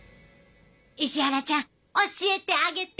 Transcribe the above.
石原ちゃん教えてあげて。